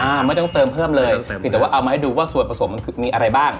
ไม่ต้องเติมเพิ่มเลยครับเพียงแต่ว่าเอามาให้ดูว่าส่วนผสมมันมีอะไรบ้าง